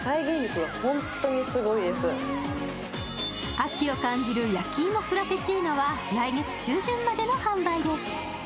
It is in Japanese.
秋を感じる焼き芋フラペチーノは来月中旬までの販売です。